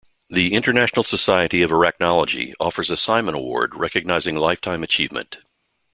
The International Society of Arachnology offers a Simon Award recognising lifetime achievement.